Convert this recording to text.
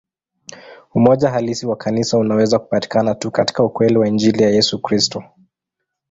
Umoja halisi wa Kanisa unaweza kupatikana tu katika ukweli wa Injili ya Yesu Kristo.